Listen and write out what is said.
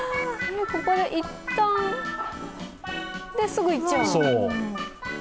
ここでいったん、すぐ行っちゃうの。